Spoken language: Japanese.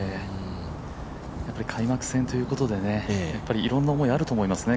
開幕戦ということで、いろんな思い、あると思いますね